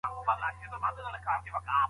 د پرمختګ لپاره مادي او کلتوري عوامل اړين دي.